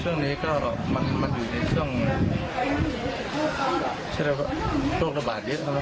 ช่วงนี้ก็มันอยู่ในช่วงโรคระบาดเยอะ